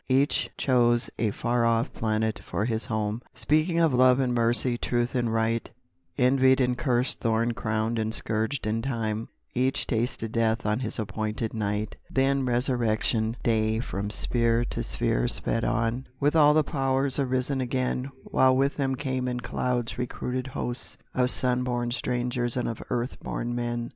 Each chose a far off planet for his home, Speaking of love and mercy, truth and right, Envied and cursed, thorn crowned and scourged in time, Each tasted death on his appointed night. Then resurrection day from sphere to sphere Sped on, with all the POWERS arisen again, While with them came in clouds recruited hosts Of sun born strangers and of earth born men.